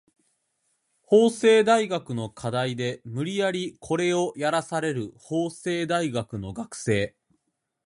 法政大学の課題で無理やりコレをやらされる法政大学の学生